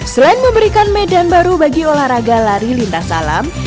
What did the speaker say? selain memberikan medan baru bagi olahraga lari lintas alam